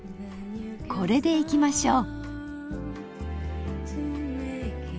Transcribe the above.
これでいきましょう。